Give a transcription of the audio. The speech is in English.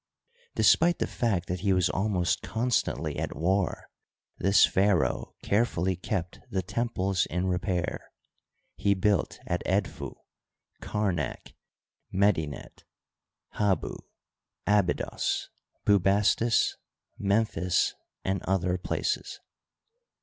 Despite the fact that he was almost constantly at war, this pharaoh carefully kept the temples in repair. He built at Edfu, Kamak, Medinet Habu, Abydos, Bubastis, Memphis, and other places.